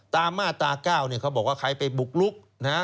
ตามมาตรา๙เขาบอกว่าใครไปบุกลุก